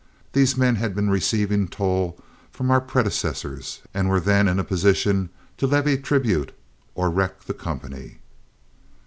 These men had been receiving toll from our predecessors, and were then in a position to levy tribute or wreck the company.